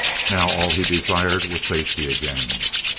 Now all he desired was safety again.